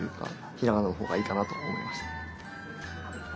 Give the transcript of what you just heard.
ひらがなのほうがいいかなとおもいました。